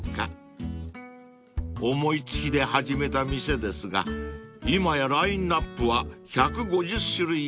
［思い付きで始めた店ですが今やラインアップは１５０種類以上］